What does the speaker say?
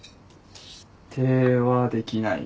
否定はできないな。